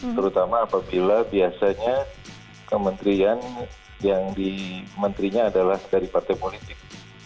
terutama apabila biasanya kementerian yang di menterinya adalah dari partai politik